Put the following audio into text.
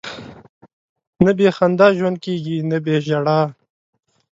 نه بې خندا ژوند کېږي، نه بې ژړا.